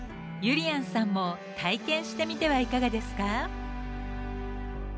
ゆりやんさんも体験してみてはいかがですか？